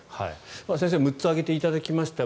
先生６つ挙げていただきました。